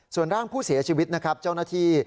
ส่วนร่างผู้เสียชีวิตนะครับเจ้าหน้าที่